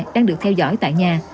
đang được theo dõi tại nhà